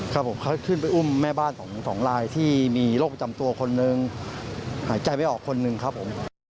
ครับผมเขาขึ้นไปอุ้มแม่บ้านสองลายที่มีโรคประจำตัวคนหนึ่งหายใจไม่ออกคนหนึ่งครับผม